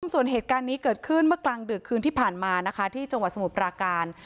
ส่วนเหตุการณ์นี้เกิดขึ้นเมื่อกลางดึกคืนที่ผ่านมานะคะที่จังหวัดสมุทรปราการ